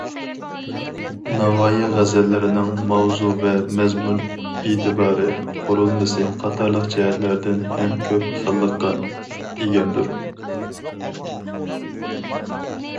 ناۋايى غەزەللىرىنىڭ ماۋزۇ ۋە مەزمۇن ئېتىبارى، قۇرۇلمىسى قاتارلىق جەھەتلەردىن ھەم كۆپ خىللىققا ئىگەمدۇر.